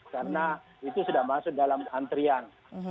karena itu sudah masuk dalam antrian